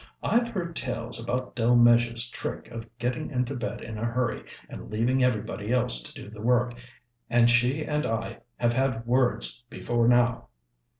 I've heard tales about Delmege's trick of getting into bed in a hurry and leaving everybody else to do the work. And she and I have had words before now."